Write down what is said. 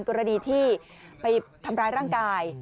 กรณีที่ไปทำร้ายร่างกาย